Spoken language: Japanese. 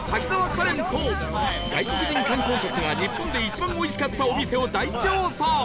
カレンと外国人観光客が日本で一番美味しかったお店を大調査！